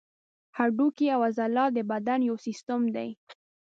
هډوکي او عضلات د بدن یو سیستم دی.